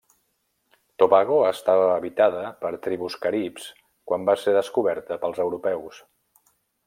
Tobago estava habitada per tribus caribs quan va ser descoberta pels europeus.